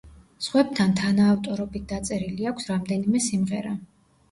სხვებთან თანაავტორობით დაწერილი აქვს რამდენიმე სიმღერა.